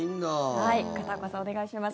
片岡さん、お願いします。